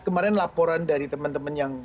kemarin laporan dari teman teman yang